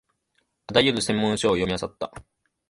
あらゆる専門書を読みあさった